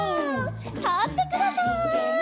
たってください。